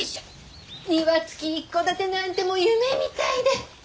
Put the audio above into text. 庭付き一戸建てなんてもう夢みたいで。